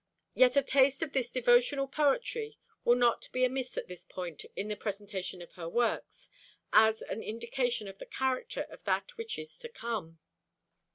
Yet a taste of this devotional poetry will not be amiss at this point in the presentation of her works, as an indication of the character of that which is to come.